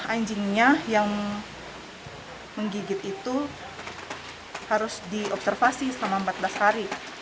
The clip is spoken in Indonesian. anjingnya yang menggigit itu harus diobservasi selama empat belas hari